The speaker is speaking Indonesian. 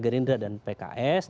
gerindra dan pks